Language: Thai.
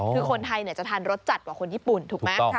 คือคนไทยจะทานรสจัดกว่าคนญี่ปุ่นถูกไหม